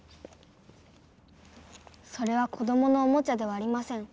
それは子どものおもちゃではありません。